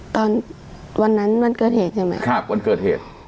ตอนวันนั้นวันเกิดเหตุใช่ไหมครับวันเกิดเหตุ